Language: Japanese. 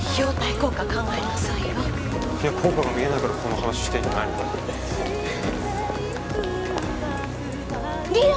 効果が見えないからこの話してんじゃないのかよ